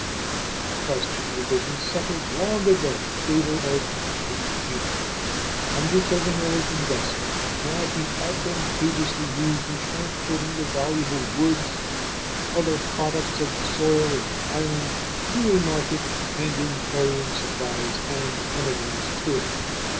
The Cuban question would have been settled long ago in favor of "free Cuba." Hundreds of American vessels would now be advantageously used in transporting the valuable woods and other products of the soil of the island to a market and in carrying supplies and emigrants to it.